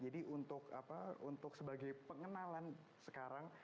jadi untuk sebagai pengenalan sekarang